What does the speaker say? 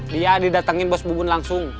dia didatengin bos bubun langsung